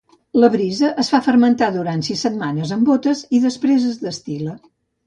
La brisa es fa fermentar durant sis setmanes en bótes i després es destil·la.